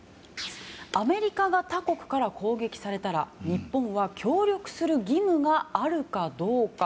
アメリカが他国から攻撃されたら日本は協力する義務があるかどうか。